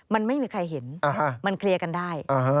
มันไม่มีใครเห็นมันเคลียร์กันได้